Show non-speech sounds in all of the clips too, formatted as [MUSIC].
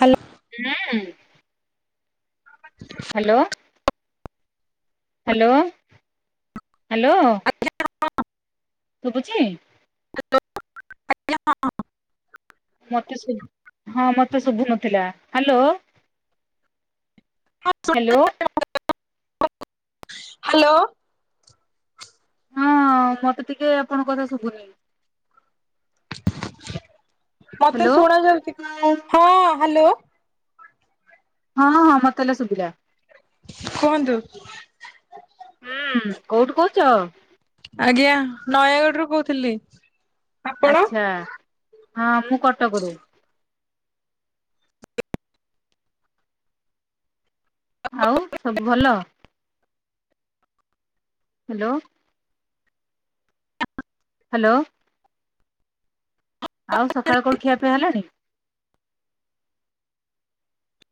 Hello. [UNINTELLIGIBLE] Hello. Hello hello ଶୁଭୁଚି ଆ [UNINTELLIGIBLE] ମତେ ହଁ ମତେ ଶୁଭୁନଥିଲା, ହାଲୋ ହାଲୋ ହାଲୋ ହଁ ମତେ ଟିକେ ଆପଣଙ୍କ କଥା ଶୁବୁନି। ମତେ ଶୁଣା ଯାଉଛି, ହଁ ହାଲୋ ହଁ ହଁ ମତେ ଏଲେ ଶୁଭିଲା। କୁହନ୍ତୁ। ହୁଁ କୋଉଠୁ କହୁଛ? ଆଜ୍ଞା ନୟାଗଡ଼ରୁୁ କହୁଥିଲି। ଆପଣ? ଆଚ୍ଛା! ହଁ ମୁଁ କଟକରୁ। ଆଉ ସବୁ ଭଲ। ହ୍ୟାଲୋ। ହ୍ୟାଲୋ। ଆଉ ସକାଳ କଣ ଖିଆ ପିଆ ହେଲାଣି?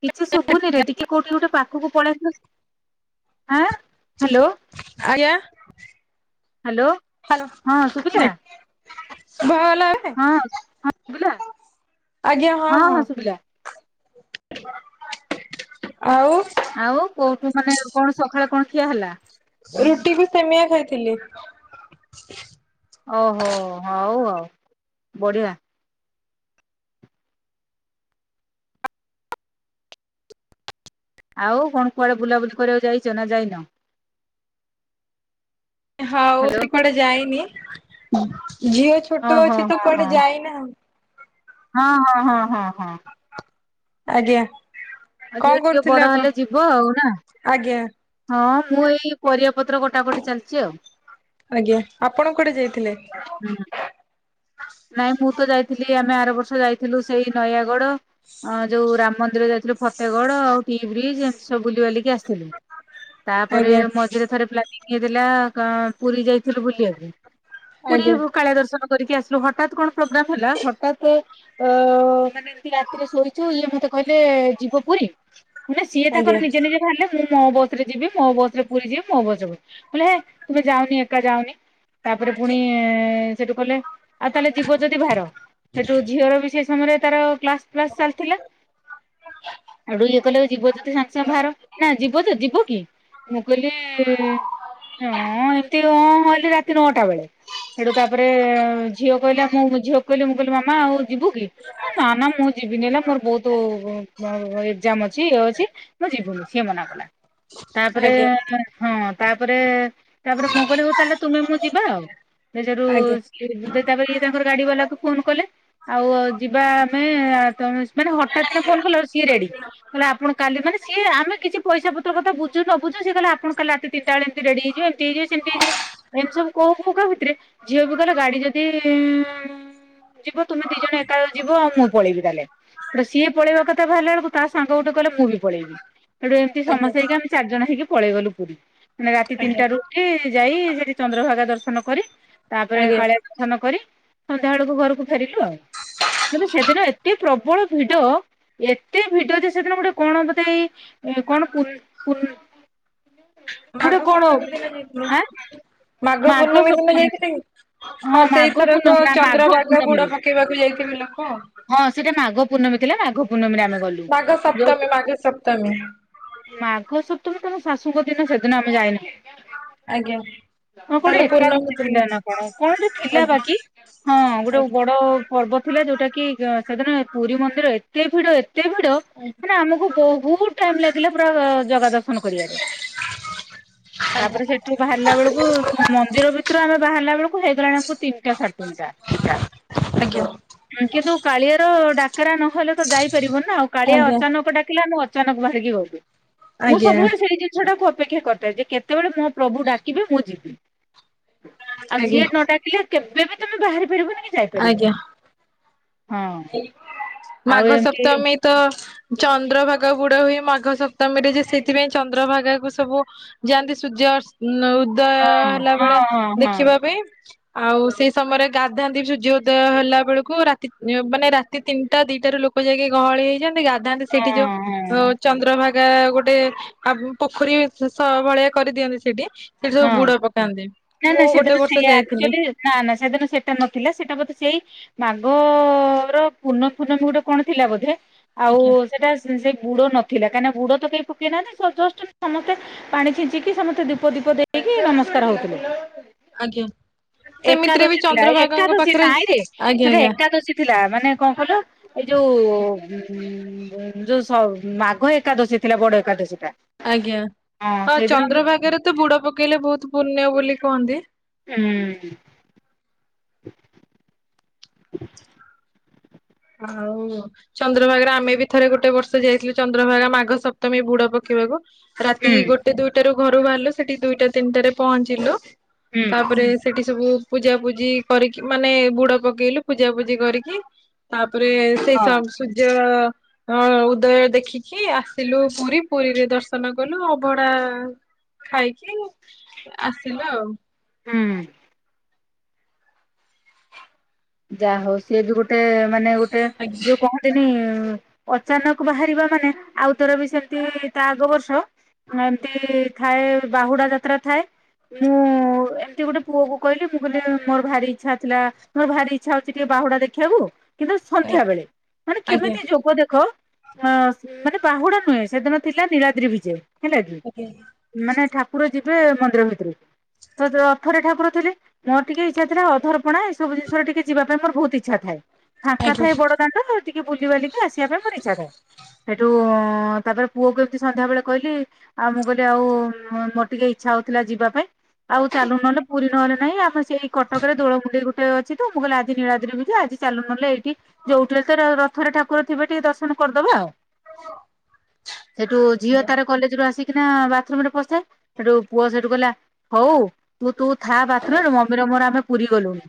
କିଛି ଶୁଭୁନିରେ ଟିକେ କୋଉଠି ଗୋଟେ ପାଖକୁ ପଳେଇ ଆସିଲ ଆଁ ହ୍ୟାଲୋ ଆଜ୍ଞା ହ୍ୟାଲୋ ହାଲୋ। ହଁ ଶୁଭିଲା। ଭଲଲେ ହଁ ଶୁଭିଲା ଆଜ୍ଞା ହଁ ହଁ। ଆଉ। ଆଉ କୋଉଠୁ ମାନେ କଣ ସକାଳେ କଣ ଖିଆ ହେଲା। ରୁଟି କି ସିମେଇ ଖାଇଥିଲି। ଓହୋ ହଉ ଆଉ ବଢିଆ। ଆଉ କଣ କୁଆଡେ ବୁଲାବୁଲି କରିବାକୁ ଯାଇଚ ନା ଯାଇନ? ହଉ ହ୍ୟାଲୋ ସେ କୁଆଡେ ଯାଇନି। ଝିଅ ଛୋଟ ଓହୋ ଅଛି ତ କୁଆଡେ ଯାଇନି ଆଉ। ହଁ-ହଁ-ହଁ-ହଁ। ଆଜ୍ଞା। ଆଉ କଣ ଝିଅ ଟିକେ କରୁଥିଲେ ବଡ ଆପଣ? ହେଲେ ଯିବ ଆଉ ନା। ଆଜ୍ଞା ହଁ। ମୁଁ ଏଇ ପରିବା ପତ୍ର କଟାକଟି ଚାଲଛି ଆଉ। ଆଜ୍ଞା, ଆପଣ କୁଆଡେ ଯାଇଥିଲେ? ହୁଁ ନାଇଁ ମୁଁ ତ ଯାଇଥିଲି ଆମେ ଆର ବର୍ଷ ଯାଇଥିଲୁ ସେଇ ନୟାଗଡ। ଅ ଯୋଉ ରାମ ମନ୍ଦିର ଯାଇଥିଲୁ ଫତେଗଡ ଆଉ ସି ବ୍ରିଚ୍ ଏମିତି ସବୁ ବୁଲି ବାଲିକି ଆସଥିଲୁ। ତାପରେ ଆଜ୍ଞା। ମଝିରେ ଥରେ ପ୍ଲାନିଂ ହେଇଥିଲା କ ପୁରୀ ଯାଇଥିଲୁ ବୁଲିଆ ପାଇଁ। ଆଜ୍ଞା। ପୁରୀରୁ କାଳିଆ ଦର୍ଶନ କରିକି ଆସିଲୁ ଘ ହଠାତ କଣ ପ୍ରୋଗ୍ରାମ ହେଲା ହଠାତ ଆ ମାନେ ଏମତି ରାତିରେ ଶୋଇଛୁ ଇଏ ମତେ କହିଲେ ଯିବ ପୁରୀ ସିଏ ତାଙ୍କର ଆଜ୍ଞା। ନିଜେ ନିଜେ ବାହିରିଲେ ମୁଁ ମୋ ବସ ରେ ଯିବି, ମୋ ବସରେ ପୁରୀ ଯିବି, ମୋ ବସରେ ମୁଁ କହିଲି ହେ ତମେ ଯାଅନି, ଏକା ଯାଅନି। ତାପରେ ପୁଣି ସେଠୁ କଲେ ଆଉ ତାହେଲେ ଯିବ ଯଦି ବାହାର। ସେଠୁ ଝିଅର ବି ସେ ସମୟରେ ତାର କ୍ଲାସ ଫ୍ଲାସ ଚାଲଥିଲା। ସାଉଠୁ ଇଏ କହିଲେ ଯିବ ଯଦି ସାଙ୍ଗେ ସାଙ୍ଗେ ବାହାର ନା ଯିବ ଯଦି ଯିବୁ କି? ମୁଁ କହିଲି ହଁ ଏମିତି ଅଁ ମୁଁ ଭାବଲି ରାତି ନଅଟା ବେଳେ ସେଠୁ ତାପରେ ଝିଅ କହିଲା ମୁଁ ମ ଝିଅକୁ କହିଲି ମୁଁ କହିଲି ମାମା ଆଉ ଯିବୁ କି? ଏ ନା ନା ମୁଁ ଯିବିନି ଏନା ମୋର ବହୁତୁ ମ ଏକ୍ସାମ ଅଛି, ଇଏ ଅଛି, ମୁଁ ଯିବିନି ସିଏ ମନା କଲା। ତାପରେ ଆଜ୍ଞା ହଁ। ତାପରେ ତାପରେ ମୁଁ କହିଲି ହଉ ତାହାଲେ ତୁମେ ମୁଁ ଯିବା ଆଉ ସେ ସେଉଠୁ ଆଜ୍ଞା। [UNINTELLIGIBLE] ତାପରେ ଇ ତାଙ୍କର ଗାଡି ବାଲାକୁ ଫୋନ କଲେ ଆଉ ଯିବା ଆମେ ଆ ତମେ [UNINTELLIGIBLE] ନା ଆଉ ହଠାତ୍ କିନା ଫୋନ କ ଲାରୁ ସିଏ ରେଡ଼ି। କଲେ ଆପଣ କାଲି ମାନେ ସି ଆମେ କିଛି ପଇସା ପତର କଥା ବୁଝୁ ନ ବୁଝୁ, ସିଏ କିହିଲେ ଆପଣ କାଲି ରାତିି ତିନଟା ବେଳେ ଏମତି ରେଡି ହେଇ ଇଏ ଏମିତି ହେଇଯିବ ସେମତି ହେଇଯିବ ଏମି ସବୁ କହୁ କହୁ କା ଭିତରେ ଝିଅ ବୋହୁ କହିଲା ଗାଡି ଯଦି ଉଁ ଯିବ ତୁମେ ଦି ଜଣ ଏକାବେଳେ ଯିବ, ମୁଁ ପଳେଇବି ତାହେଲେ। ତ ସିଏ ପଳେଇବା କଥା ବାହାରିଲା ବେଳକୁ ତା ସାଙ୍ଗ ଗୁଟେ କହିଲା, ମୁଁ ବି ପଳେଇବି। ସେଠୁ ଏମତି ଆଜ୍ଞା ସମସ୍ତେ ହେଇକି ଆମେ ଚାରିଜଣ ହେଇକି ପଳେଇ ଗଲୁ ପୁରୀ। ମାନେ ରାତି ଆଜ୍ଞା ତିନଟା ରୁ ଉଠି ଯାଇ ସେଠି ଚନ୍ଦ୍ରଭାଗା ଦର୍ଶନ କରି ତାପରେ ଆଜ୍ଞା କାଳିଆ ଦର୍ଶନ କରି ସନ୍ଧ୍ୟା ବେଳକୁ ଘରକୁ ଫେରିଲୁ ଆଉ। କିନ୍ତୁ ସେଦିନ ଏତେ ପ୍ରବଳ ଭିଡ ଏତେ ଭିଡ ଯେ ସେଦିନ ଗୋଟେ କଣ ବୋଧେ ଏଇ ଏ କଣ ପୁନ ପୁନ। ମାଘ ଗୋଟେ କଣ ପୂର୍ଣ୍ଣମୀ ହଉ ଦିନ ଯାଇଥିଲୁ। ଆଁ ମାଘ ପୂର୍ଣ୍ଣମୀ ଦିନ ସପ୍ତମୀ। ଯାଇଥିଲେ କି? ହଁ ମାଘ ସେଇଥରକ ପୂର୍ଣମୀ ନା ମାଘ ଚନ୍ଦ୍ରଭାଗା ବୁଡ ପୂର୍ଣ୍ଣମୀରୁ ପକେଇବାକୁ ଯାଇଥିବେ ଲୋକ। ହଁ ସେଟା। ମାଘ ପୂର୍ଣ୍ଣମୀ ଥିଲା ପୂର୍ଣ୍ଣମୀ ଆ ମାଘ ସପ୍ତମୀ ମାଘ ସପ୍ତମୀ ମାଘ ସପ୍ତମୀ ତମ ଶାଶୁଙ୍କ ଦିନ ସେଦିନ ଆମେ ଯାଇନୁ। ଆଜ୍ଞା ହ କୋଉଠି ତାହେଲେ ପୂର୍ଣ୍ଣମୀ ଏକାଦଶୀ ଦିନ ଥିଲା ନା କଣ? କଣ ଥିଲା ଆଜ୍ଞା ବାକ ହଁ ଗୋଟେ ଆଜ୍ଞା ବଡ ପର୍ବ ଥିଲା ଯୋଉଟା କି ଗ ସେ ପୁରୀ ମନ୍ଦିର ଏତେ ଭିଡ ଏ ଏତେ ଭିଡ଼ ମାନେ ଆମକୁ ବହୁତ ଟାଇମ ଲାଗିଲା ପୁରା ଜଗା ଦର୍ଶନ କରିବାରେ। ତାପରେ ସେଠି ବାହାରିଲା ବେଳକୁ ମନ୍ଦିର ଭିତରୁ ଆମେ ବାହାରିଲା ବେଳକୁ। କିନ୍ତୁ ହେଇଗଲାଣି ତିନିଟା ସାଢେ ତିନି ଟା ଆଜ୍ଞା କିନ୍ତୁ କାଳିଆରା ଡା ଡାକରା ନହେଲେ ତ ଯାଇପାରିବୁ ନା ଆଉ କାଳିଆ ଆଜ୍ଞା ଆଜ୍ଞା ଅଚାନକ ଡାକିଲା ଆମେ ଅଚାନକ ବାହାରିକି ଗଲୁ। ମୁଁ ଆଜ୍ଞା ସବୁବେଳେ ସେଇ ଜିନିଷଟା କୁ ଅ ଅପେକ୍ଷା କରିଥାଏ। ଯେ କେତେବେଳେ ମୋ ପ୍ରଭୁ ଡାକିବେ ମୁଁ ଯିବି ଆ ସିଏ ଆଜ୍ଞା ନ ଡାକିଲେ। କେବେ ବି ତମେ ବାହାରି ପାରିବନି କି ଯାଇପାରିବନି। ଆଜ୍ଞା। ହଁ ଆଉ ମାଘ ଏମିତି ସପ୍ତମୀ ତ ଚନ୍ଦ୍ରଭାଗା ବୁଡ ହୁଏ। ମାଘ ସପ୍ତମୀରେ ଯେ ସେଥିପାଇଁ ଚନ୍ଦ୍ରଭାଗା କ ସବୁ ଯାଆନ୍ତି ସୂର୍ଯ୍ୟ ଉଦୟ ହଁ ହେଲା ହଁ ବେଳେ ହଁ ହଁ ଦେଖିବା ପାଇଁ ଆଉ ସେଇ ସମୟରେ ଗାଧାଆନ୍ତି ବି ସୂର୍ଯ୍ୟ ଉଦୟ ହେଲା ବେଳକୁ ରାତି ମାନେ ରାତି ତିନିଟା ଦିଟାରୁ ଲୋକ ଯାଇକି ଗହଳି ହେଇଯାନ୍ତି। ଗାଧାନ୍ତି ସେଇଠି ହଁ ହଁ ଯୋଉ ଚନ୍ଦ୍ରଭାଗ ଏ ଗୋଟେ ପୋଖରୀ ଭଳିଆ କରିଦିଅନ୍ତି ସେଇଠି ସେଠି ସବୁ ହଁ ବୁଡ ପକାନ୍ତି। ନା ମୁଁ ନା ଗୋଟେ ସେଦିନ ବର୍ଷ ସେଇଆ ଯାଇଥିଲି। ଆକ୍‌ଚଲିନା ନା ସେଦିନ ସେଇଟା ନଥିଲା। ସେଇଟା ବୋଧେ ସେଇ ମାଘ ର ପୂର୍ନ ପୂଣ୍ଣମ ଗୋଟେ କଣ ଥିଲା ବୋଧେ ଆଉ ଆଜ୍ଞା ସେଟା ସେଇ ବୁଡ ନଥିଲା କାହିଁକି ବୁଡ ତ କେହି ପକେଇ ନାହାନ୍ତି ଯଷ୍ଟ ସମସ୍ତେ ପାଣି ଛିଞ୍ଚିକି ସମସ୍ତେ ଦୀପ ଦୀପ ଦେଇ କି ନମସ୍କାର ହଉଥିଲେ। ଆଜ୍ଞା। ସେମିତିରେ ବି ଏକାଦଶୀ ଥିଲା ଚନ୍ଦ୍ରଭାଗାଙ୍କ ଏକାଦଶୀ ପାଖରେ ନାଇଁ ରେ ଆଜ୍ଞା ସେଟା ଆଜ୍ଞା ଏକାଦଶୀ ଥିଲା ମାନେ କଣ କହିଲୁ। ଏଇ ଯୋଉଁ ଯୋଉଁ ମାଘ ଏକାଦଶୀ ଥିଲା ବଡ ଏକାଦଶୀ ଟା। ଆଜ୍ଞା ହଁ ସେଇଦିନ ବି ଚନ୍ଦ୍ରଭାଗାରେ ତ ବୁଡ ପକେଇଲେ ବହୁତ ପୁଣ୍ୟ ବୋଲି କହନ୍ତି। ଉଁ। ହୁଁ। ଆଉ ଚନ୍ଦ୍ରଭାଗା ଆମେ ବି ଥରେ ଗୋଟେ ବର୍ଷ ଯାଇଥିଲୁ ଚନ୍ଦ୍ରଭାଗା ମାଘ ସପ୍ତମୀ ବୁଡ ପକେଇବାକୁ ରାତି ହୁଁ ଗୋଟେ ଦୁଇଟା ରୁ ଘରୁ ବାହାରିଲୁ ସେଠି ଦୁଇଟା ତିନିଟାରେ ପହଞ୍ଚିଲୁ। ହୁଁ ତାପରେ ସେଠି ସବୁ ପୂଜା ପୂଜି କରିକି ମାନେ ବୁଡ ପକେଇଲୁ ପୂଜାପୂଜି କରିକି ତା ତାପରେ ସେଇ ସ ହଁ ସୂର୍ଯ୍ୟ ହଁ ଉଦୟ ଦେଖିକି ଆସିଲୁ ପୁରୀ ପୁରୀରେ ଦର୍ଶନ କଲୁ ଅଭଢା ଖାଇକି ଆସିଲ ଆଉ ହୁଁ। ଯାହା ହଉ ସିଏ ବି ଗୋଟେ ମାନେ ଗୋଟେ ଆଜ୍ଞା ଯୋଉ କହନ୍ତିନି। ଅଚାନକ ବାହାରିବା ମାନେ ଆଉଥର ବି ସେମତି ତା ଆଗ ବର୍ଷ ଏମିତି ଥାଏ ବାହୁଡା ଯାତ୍ରା ଥାଏ। ମୁଁ ଏମିତି ଗୋଟେ ପୁଅ କ କହିଲି ମୁଁ କହିଲି ମୋର ଭାରି ଇଚ୍ଛା ଥିଲା ମୋର ଭାରି ଇଛା ହଉଛି ଟିକେ ବାହୁଡା ଦେଖିବାକୁ କିନ୍ତୁ ସନ୍ଧ୍ୟା ବେଳେ ମାନେ ଆଜ୍ଞା କେମିତି ଯୋଗ ଦେଖ ଅ ମାନେ ପାହୁଡା ନୁହେଁ ସେଦିନ ଥିଲା ନୀଳାଦ୍ରି ବିଜେ ହେଲା କି ଆଜ୍ଞା ମାନେ ଠାକୁର ଯିବେ ମନ୍ଦିର ଭିତରକୁ ତ ରଥରେ ଠାକୁର ଥିଲେ ମୋର ଟିକେ ଇଚ୍ଛା ଥିଲା ଅଧରପଣା ଏଇ ସବୁ ଜିନିଷ ଟିକେ ଯିବା ପାଇଁ ମୋ ବହୁତ ଇଛାଥାଏ। ଫାଙ୍କା ଆଜ୍ଞା। ଥାଏ ବଡ ଦାଣ୍ଡ ଆଉ ଟିକେ ବୁଲି ବାଲିକି ଆସିବା ପାଇଁ ଇଚ୍ଛାଥାଏ ସେଠୁ ହଁ ତାପରେ ପୁଅ ଏମିତି ସନ୍ଧ୍ୟା ବେଳେ କହିଲି, ଆଉ ମୁଁ କହିଲି ଆଉ ମୋର ଟିକେ ଇଚ୍ଛା ହଉଥିଲା ଯିବା ପାଇଁ ଆଉ ଚାଲୁ ନହେଲେ ପୁରୀ ନହେଲେ ନାହିଁ ଆମେ ସେଇ କଟକରେ ଦୋଳମୁଣ୍ଡେଇ ଗୋଟେ ଅଛି ତ ମୁଁ ଆଜି ନୀଳଦ୍ରି ଯିବା ଆଜି ଚାଲ ନ ହେଲେ ଏଠି ଯୋଉଠି ହେଲେ ତ ରଥରେ ଠାକୁର ଥିବେ ଟିକେ ଦର୍ଶନ କର୍ ଦେବା ଆଉ ସେଠୁ ଝିଅ ତାର କଲେଜରୁ ଆସିକି ନା ବାଥରୁମ ରେ ପଶେ ସେଠୁ ପୁଅ ସେଇଠୁ କହିଲା ହଉ ତୁ ତୁ ଥା ବାଥ୍‌ରୁମ୍‌ରେ ମମିର ମୋର ଆମେ ପୁରୀ ଗଲୁଣି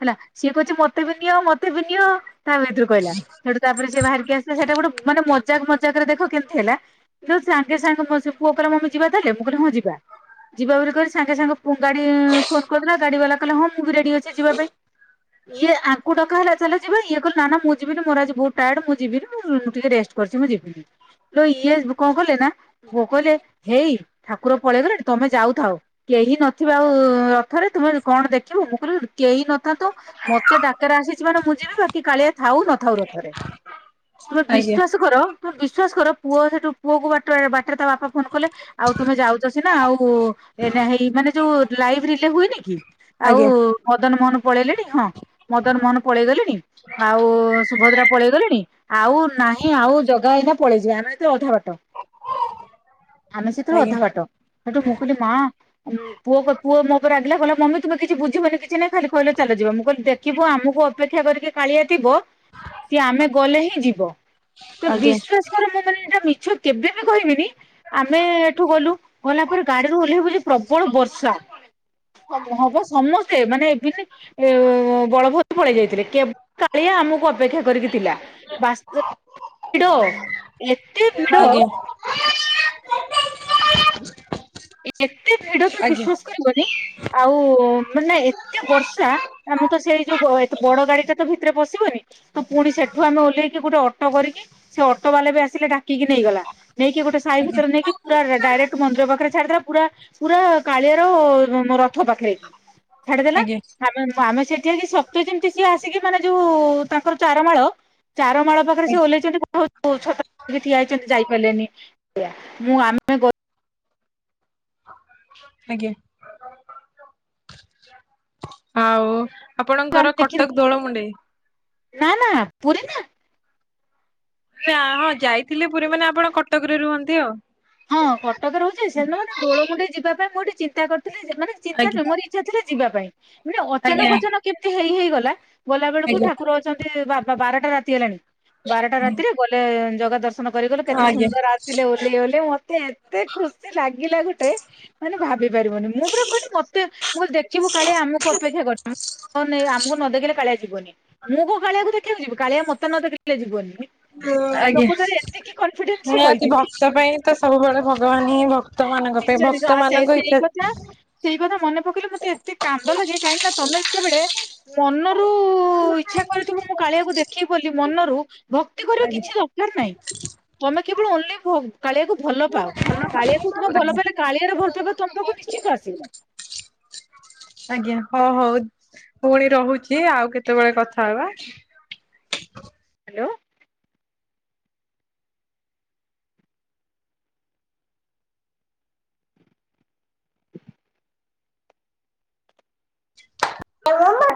ହେଲା ସିଏ କହୁଛି ମତେ ବି ନିଅ ମତେ ବି ନିଅ ତା ଭିତରୁ କହିଲା ସେଠୁ ତାପରେ ସେ ବାହାରିକି ଆସିଲ ସେଟା ଗୋଟେ ମାନେ ମଜାକ ମଜାକରେ ଦେଖ କେମିତି ହେଲା କିନ୍ତ ସାଙ୍ଗେ ସାଙ୍ଗେ ମୋ ପୁଅ କହିଲା ମମି ଯିବା ତାହଲେ ମୁଁ କହିଲେ ହଁ ଯିବା। ଯିବା ବୋଲି କରି ସାଙ୍ଗେ ସାଙ୍ଗେ ପୁଅ ଗାଡି ଫୋନ କରିଦେଲା ଗାଡି ବାଲା କହିଲା ହଁ ମୁଁ ବି ରେଡି ଅଛି ଯିବା ପାଇଁ ଇଏ ଆଙ୍କୁୁ ଡକା ହେଲା ଚାଲ ଯିବା ଇଏ କ ନା ମୁଁ ଯିବିନି ମୋର ଆଜି ବହୁତ ଟାର୍ଡ ମୁଁ ଯିବିନି ମୁ ଟିକେ ରେଷ୍ଟ୍ ମୁଁ ରେଷ୍ଟ୍ କରିଛି ମୁଁ ଯିବିନି ଇଏ କଣ କହିଲେ ନା ପୁଅ କହିଲେ ହେଇ ଠାକୁର ପଳେଇଗଲେଣି ତମେ ଯାଉଥାଉ କେହି ନଥିବା ଆଉ ରଥରେ ତୁମେ କଣ ଦେଖିବ ମୁଁ କହିଲ କେହି ନଥାନ୍ତୁ ମତେ ଡାକରା ଆସିଛି ମାନେ ମୁଁ ଯିବି ବାକି କାଳିଆ ଥାଉ ନଥାଉ ରଥରେ ତୁମେ ଆଜ୍ଞା ବିଶ୍ଵାସ କର ତୁମେ ବିଶ୍ଵାସ କର ପୁଅ ସେଠୁ ପୁଅ କ ବାଟ ବାଟରେ ତା ବାପା ଫୋନ କଲେ ଆଉ ତୁମେ ଯାଉଛ ସିନା ଆଉ ଭାଇ ମାନେ ଯୋଉ ଲାଇଭ୍ ରିଲେ ହୁଏନି କି ଆଉ ଆଜ୍ଞା ମଦନ ମୋହନ ପଳେଇଲେଣି ହଁ ମଦନ ମୋହନ ପଳେଇଗଲେଣି ଆଉ ସୁଭଦ୍ରା ପଳେଇ ଗଲେଣି ଆଉ ନାହିଁ ଆଉ ଜଗା ହେଇନା ପଳେଇଯିବା ଆମେ ଏତେ ଅଧା ବାଟ ଆମେ ସେଥିରୁ ଅଧା ଆଜ୍ଞା ବାଟ ସେଠୁ ମୁଁ କହିଲି ମା ପୁଅ ପୁଅ ମୋ ଉପରେ ରାଗିଲା କିଲ ମମି ତୁେ କିଛି ବୁଝିବନି କିଛି ନାଇଁ ଖାଲି କହିଲେ ଚାଲ ଯିବ ମୁଁ କହିଲି ଦେଖିବୁ ଆମକୁ ଅପେକ୍ଷା କରିକି କାଳିଆ ଥିବ ସିଏ ଆମେ ଗଲେ ହିଁ ଯିବ ତୁ ଆଜ୍ଞା ବିଶ୍ଵାସ କର ମୁଁ ମାନେ ଏଟା ମି ଛ କେବେ ବି କହିବିନି ଆମେ ଏଠୁ ଗଲୁ ଗଲା ପରେ ଗାଡିରୁ [UNINTELLIGIBLE] ଓହ୍ଲେଇବୁଛି ପ୍ରବଳ ବର୍ଷା ହବ ହବ ସମସ୍ତେ ମାନେ [UNINTELLIGIBLE] ଏ ଏଁ ବଳଭଦ୍ର ପଳେଇ ଯାଇଥିଲେ କେବଳ କାଳିଆ ଆମକୁ ଅପେକ୍ଷା କରିକି ଥିଲା ବା ଭିଡ। ଭିଡ ଆଜ୍ଞା। ଏତେ ଭିଡ ତମେ ଆଜ୍ଞା। ବିଶ୍ଵାସ କରିବନି ଆଉ ମାନେ ନା ଏତେ ବର୍ଷା ଆମେ ତ ସେଇ ଯୋଉ ବଡ ଗାଡି ଟା ତ ଭିତରେ ପଶିବନି ତ ପୁଣି ସେଠୁ ଆମେ ଓହ୍ଲେଇକି ଗୋଟେ ଅଟୋ କରିକି ସେ ଅଟୋ ବାଲା ବି ଆସିଲେ ଡାକିକି ନେଇଗଲା ନେଇକି ଗୋଟେ ସାାଇ ଆଜ୍ଞା ଭିତରେ ରେ ନେଇକି ପୁରା ଡାଇରେକ୍ଟ ମନ୍ଦିର ପାଖରେ ଛାଡିଦେଲା ପୁରା ପୁରା କାଳିଆର ରଥ ପାଖରେ ଛାଡିଦେଲା ଆଜ୍ଞା ଆମେ ଆମେ ସେଠିଆ କି ସତତ ଯେମିତି ସିଏ ଆସିକି ମାନେ ଯୋଉ ତାଙ୍କର ଚାରମାଳ ଚାର ମାଳ ପାଖରେ ସେ ଓହ୍ଲେଇଛନ୍ତି [UNINTELLIGIBLE] ଠିଆ ହେଇଛନ୍ତି ଯାଇପାରିଲେନି ମୁଁ ଆ ଆମେ [UNINTELLIGIBLE] କ ଆଜ୍ଞା। ଆଉ ଆମେ ଆପଣଙ୍କର ଦେଖିନୁ କଟକ ଦୋଳ ମୁଣ୍ଡେଇ ନା ନା ପୁରୀ ନା ନା ହଁ ଯାଇଥିଲେ ପୁରୀ ମାନେ ଆପଣ କଟକରେ ରୁହନ୍ତି ଆଉ ହଁ କଟକ ରହୁଛି ସେଦିନ ମାନେ ଦୋଳ ମୁୁଣ୍ଡେଇ ଯିବା ପାଇଁ ମୁଁ ଠି ଚିନ୍ତା କରୁ ମାନେ ଚିନ୍ତା ଆଜ୍ଞା ନ ମୋର ଇଛା ଥିଲା ଯିବା ପାଇଁ ମାନେ ଆଜ୍ଞା ଅଚାନକ ଅଚାନକ କେମିତି ହେଇ ହେଇଗଲା ଗଲା ବେଳକୁ ଆଜ୍ଞା ଠାକୁର ଅଛନ୍ତି ବା ବାରଟା ରାତି ହେଲାଣି ବାରଟା ରାତିରେ ଗଲେ ଜଗ ଦର୍ଶ କରିଗଲୁ କେତେ ଆଜ୍ଞା। ସୁନ୍ଦର ଆସି ଥିଲେ ଓହ୍ଲେଇ ଗଲେ ମତେ ଏତେ ଖୁସି ଲାଗିଲା ଗୋଟେ ମାନେ ଭାବି ପାରିବନି ମୁଁ ପୁରା କହିଲି ମତେ ମୁଁ ଦେଖିବୁ କାଳିଆ ଆମକୁ ଅପେକ୍ଷା କରିଥିବ ହଁ ନାଇଁ ଆମକୁ ନ ଦେଖିଲେ କାଳିଆ ଯିବନି ମୁଁ କଣ କାଳିଆକୁ ଦେଖିବାକୁ ଯିବି କାଳିଆ ମୋତେ ନ ଦେଖେଇଲେ ଯିବନି ଆଜ୍ଞା ଲୋକ [UNINTELLIGIBLE] ତର ଏତିକି କନଫିଡେନ୍ସ୍ ରେ ନିହାତି କହିଥିଲି। ଭକ୍ତ ପାଇଁ ତ ସବୁବେଳେ ଭଗବାନ ହିଁ ଭକ୍ତ ମାନଙ୍କ ପାଇଁ ନିଶ୍ଚୟ ଭକ୍ତ ନିଶ୍ଚୟ ସେ ମାନଙ୍କ ସେଇ ଇଚ୍ଛା କଥା ସେଇ କଥା ମନେ ପକେଇଲେ ମତେ କାନ୍ଦ ଲାଗେ। କାହିଁକିନା ତମେ ଯେତେବେଳେ ମନରୁ ଉ ଇଚ୍ଛା କରିଥିବ ମୁଁ କାଳିଆକୁ ଦେଖିକି ବୋଲି ମନରୁ ଭକ୍ତି କରିବା ଆଜ୍ଞା କିଛି ଦରକାର ନାହିଁ ତମେ କେବଳ ଓନଲି ଭୋ କାଳିଆକୁ ଭଲ ପାଅ କାଳିଆକୁ ତୁମେ ଭଲ ଆଜ୍ଞା ପାଇଲେ କାଳିଆରେ ଭଲ ପାଇବା ତମ ପାକୁ ନିଶ୍ଚିନ୍ତ ଆସିବ। ଆଜ୍ଞା ହଁ ହଉ ପୁଣି ରହୁଛି ଆଉ କେତେବେଳେ କଥା ହବା। ହ୍ୟାଲୋ। ହଁ